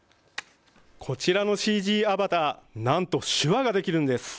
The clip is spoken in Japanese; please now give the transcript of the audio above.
こちらのＣＧアバター、なんと手話ができるんです。